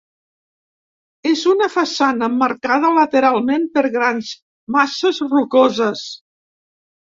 És una façana emmarcada lateralment per grans masses rocoses.